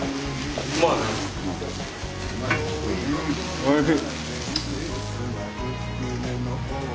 おいしい。